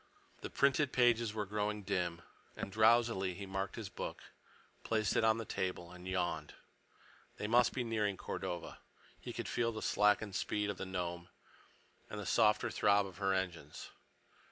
The printed pages were growing dim, and drowsily he marked his book, placed it on the table, and yawned. They must be nearing Cordova. He could feel the slackened speed of the Nome and the softer throb of her engines.